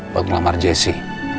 buat ngelamar jessy